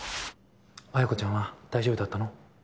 彩子ちゃんは大丈夫だったの？